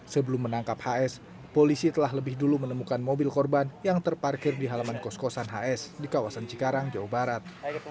sebelum menangkap hs polisi telah lebih dulu menemukan mobil korban yang terparkir di halaman kos kosan hs di kawasan cikarang jawa barat